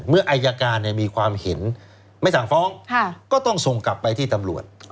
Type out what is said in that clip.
อายการมีความเห็นไม่สั่งฟ้องก็ต้องส่งกลับไปที่ตำรวจ